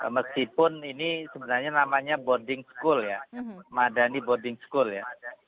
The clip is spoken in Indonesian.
meskipun ini sebenarnya namanya boarding school ya madani boarding school ya